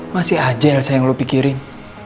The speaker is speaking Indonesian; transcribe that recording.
masih aja elsa yang lo pikirin